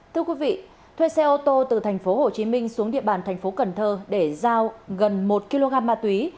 thưa quý vị thuê xe ô tô từ tp hcm xuống địa bàn tp cnh để giao gần một kg ma túy